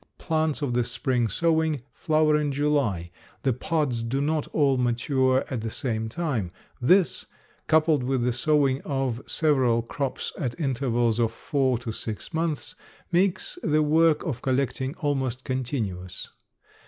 Plants of the spring sowing flower in July. The pods do not all mature at the same time; this, coupled with the sowing of several crops at intervals of four to six months, makes the work of collecting almost continuous.